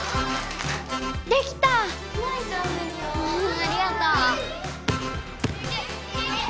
ありがとう！